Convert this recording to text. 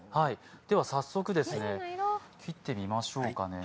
では早速、切ってみましょうかね